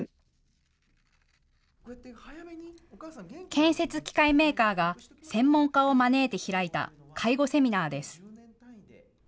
建設機械メーカーが専門家を招いて開いた介護セミナーです。